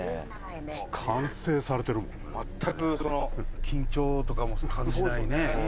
全く緊張とかも感じないね。